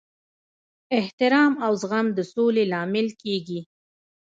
احترام او زغم د سولې لامل کیږي.